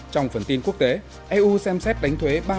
trong phần tin quốc tế eu xem xét đánh thuế